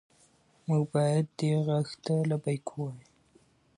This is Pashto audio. موږ باید دې غږ ته لبیک ووایو.